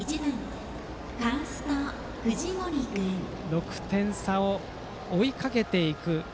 ６点差を追いかけていく。